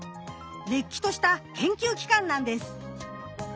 れっきとした研究機関なんです。